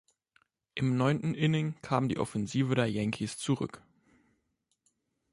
Im neunten Inning kam die Offensive der Yankees zurück.